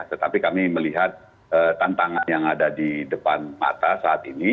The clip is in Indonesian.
tetapi kami melihat tantangan yang ada di depan mata saat ini